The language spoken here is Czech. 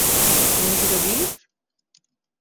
Nikdo víc?